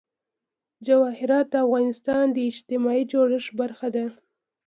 جواهرات د افغانستان د اجتماعي جوړښت برخه ده.